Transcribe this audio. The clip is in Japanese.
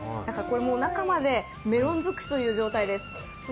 中までメロン尽くしという状態です。